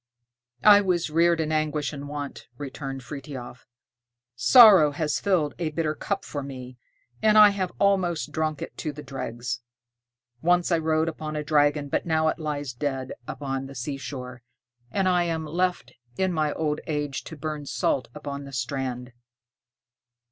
"I was reared in anguish and want," returned Frithiof; "sorrow has filled a bitter cup for me, and I have almost drunk it to the dregs. Once I rode upon a dragon, but now it lies dead upon the seashore, and I am left in my old age to burn salt upon the strand."